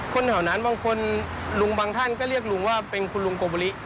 คนแถวนั้นบางคนลุงบางท่านก็เรียกลุงว่าเป็นคุณลุงโกบุริ